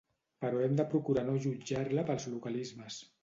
Però hem de procurar no jutjar-la pels localismes.